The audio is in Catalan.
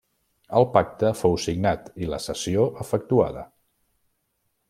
El pacte fou signat i la cessió efectuada.